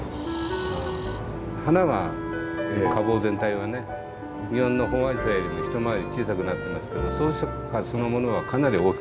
花は花房全体はね日本のホンアジサイよりも一回り小さくなってますけど装飾花そのものはかなり大きくなってます。